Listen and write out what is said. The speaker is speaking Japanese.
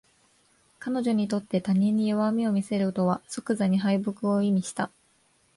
彼女にとって他人に弱みを見せるとは即座に敗北を意味した